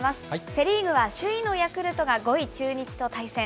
セ・リーグは首位のヤクルトが５位中日と対戦。